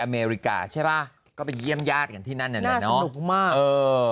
อเมริกาใช่ป่ะก็ไปเยี่ยมญาติกันที่นั่นน่ะเนอะสนุกมากเออ